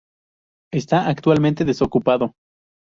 Esta actualmente desocupado.